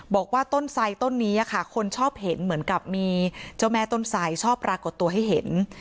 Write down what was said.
บอกว่าต้นไสต้นนี้ค่ะคนชอบเห็นเหมือนกับมีเจ้าแม่ต้นไสชอบปรากฏตัวให้เห็น